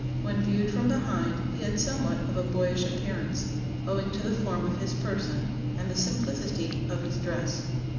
When viewed from behind he had somewhat of a boyish appearance, owing to the form of his person, and the simplicity of his dress.